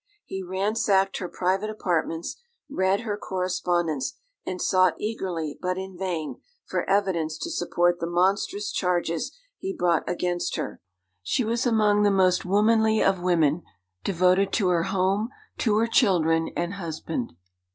He ransacked her private apartments, read her correspondence, and sought eagerly, but in vain, for evidence to support the monstrous charges he brought against her. She was among the most womanly of women, devoted to her home, to her children and husband.